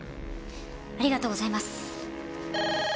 ありがとうございます。